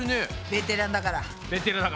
ベテランだからね。